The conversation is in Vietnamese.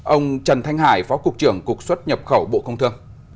ông trần thanh hải phó cục trưởng cục xuất nhập khẩu bộ công thương